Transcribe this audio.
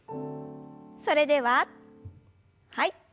それでははい。